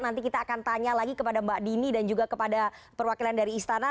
nanti kita akan tanya lagi kepada mbak dini dan juga kepada perwakilan dari istana